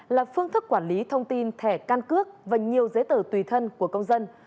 là phương thức quản lý thông tin thẻ căn cước và nhiều giấy tờ tùy thân của công dân